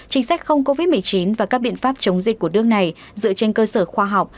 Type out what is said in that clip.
chính sách không covid một mươi chín và các biện pháp chống dịch của nước này dựa trên cơ sở khoa học